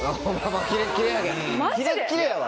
キレッキレやわ